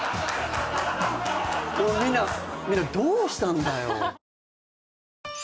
みんなみんなどうしたんだよ？